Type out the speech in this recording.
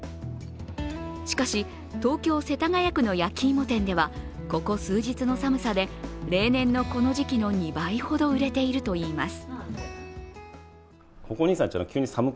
しかし、東京・世田谷区の焼き芋店では、ここ数日の寒さで例年のこの時期の２倍ほど売れているといいます。